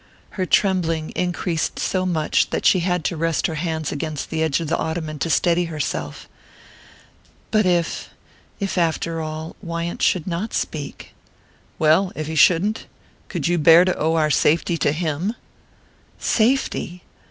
Her trembling increased so much that she had to rest her hands against the edge of the ottoman to steady herself. "But if...if after all...Wyant should not speak?" "Well if he shouldn't? Could you bear to owe our safety to him?" "Safety!"